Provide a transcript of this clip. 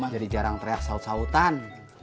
jadi jarang teriak saut sautan